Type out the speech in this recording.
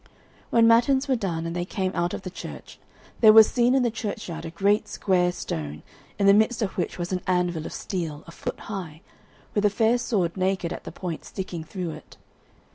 When matins were done and they came out of the church, there was seen in the churchyard a great square stone, in the midst of which was an anvil of steel, a foot high, with a fair sword naked at the point sticking through it.